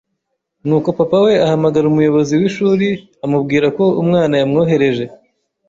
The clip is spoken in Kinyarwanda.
nuko Papa we ahamagara umuyobozi w’ishuri amubwira ko umwana yamwohereje,